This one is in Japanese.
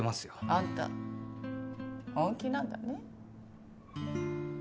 あんた本気なんだね？